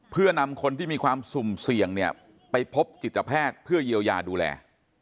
เพื่อนำคนที่มีความสุ่มเสี่ยงเนี่ยไปพบจิตแพทย์เพื่อเยียวยาดูแล